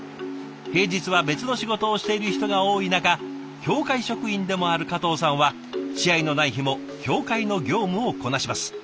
平日は別の仕事をしている人が多い中協会職員でもある加藤さんは試合のない日も協会の業務をこなします。